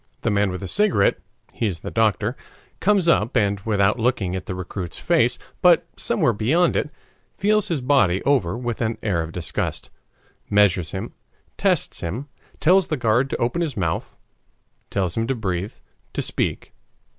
The man with the cigarette he is the doctor comes up, and without looking at the recruit's face, but somewhere beyond it, feels his body over with an air of disgust, measures him, tests him, tells the guard to open his mouth, tells him to breathe, to speak.